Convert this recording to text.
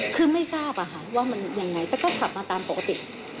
คือไม่ทราบอะค่ะว่ามันยังไงแต่ก็ขับมาตามปกติ